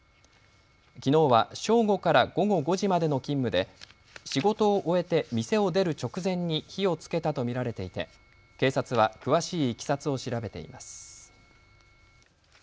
きのうは正午から午後５時までの勤務で仕事を終えて店を出る直前に火をつけたと見られていて警察は詳しいいきさつを調べています。